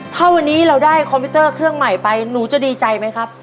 ถ้าวันนี้เราได้คอมพิวเตอร์เครื่องใหม่ไปหนูจะดีใจไหมครับ